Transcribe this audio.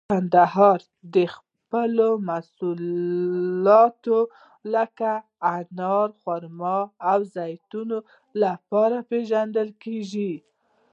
کندهار د خپلو محصولاتو لکه انار، خرما او زیتون لپاره پیژندل کیږي.